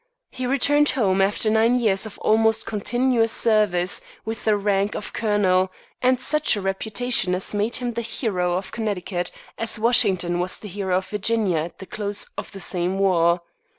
He returned home, after nine years of almost continuous service, with the rank of colonel, and such a reputation as made him the hero of Connecticut, as Washington was the hero of Virginia at the close of the same war.